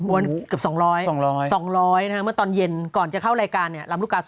วันเกือบ๒๐๐วันตอนเย็นก่อนจะเข้ารายการลำลูกกา๒๐๐